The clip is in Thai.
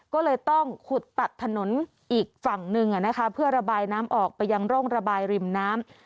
ก็เลยต้องขุดตัดถนนอีกฝั่งหนึ่งเพื่อระบายน้ำออกไปยังร่องระบายริมน้ำ